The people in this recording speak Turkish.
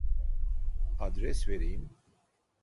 Adres vereyim?